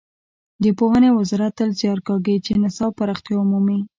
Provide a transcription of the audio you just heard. د پوهنې وزارت تل زیار کاږي چې نصاب پراختیا ومومي.